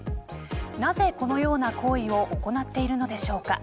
なぜこのような行為を行っているのでしょうか。